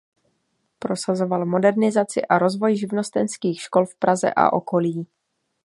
Prosazoval modernizaci a rozvoj živnostenských škol v Praze a okolí.